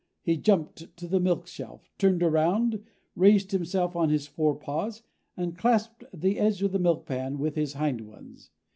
He jumped to the milk shelf, turned around, raised himself on his forepaws, and clasped the edge of the milk pan with his hind ones.